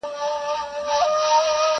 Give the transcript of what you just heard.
د خیال پر ښار مي لکه ستوری ځلېدلې،